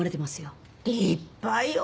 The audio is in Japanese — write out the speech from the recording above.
立派よ！